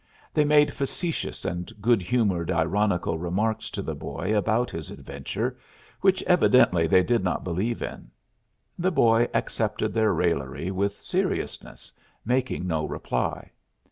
They made facetious and good humored ironical remarks to the boy about his adventure, which evidently they did not believe in. The boy accepted their raillery with seriousness, making no reply.